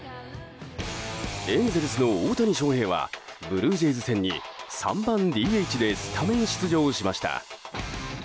エンゼルスの大谷翔平はブルージェイズ戦に３番ＤＨでスタメン出場しました。